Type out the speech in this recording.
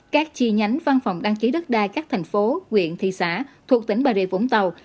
các chi nhánh văn phòng đăng ký đất đai các thành phố quyện thị xã thuộc tỉnh bà rịa vũng tàu